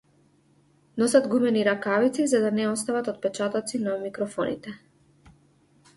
Носат гумени ракавици за да не оставаат отпечатоци на микрофоните.